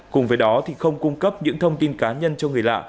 cùng với đó thì không cung cấp những thông tin cá nhân cho người lạ